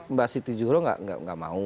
mbak siti juhro nggak mau